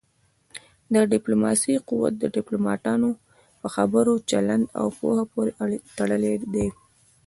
د ډيپلوماسی قوت د ډيپلوماټانو په خبرو، چلند او پوهه پورې تړلی دی.